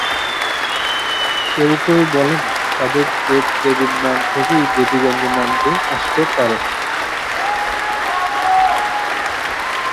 কেউ কেউ বলেন, তাদের দেব-দেবীর নাম থেকেই দেবীগঞ্জ নামটি আসতে পারে।